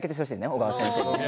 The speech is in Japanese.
小川先生に。